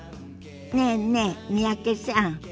ねえねえ三宅さん。